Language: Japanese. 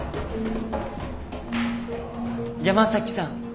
山崎さん。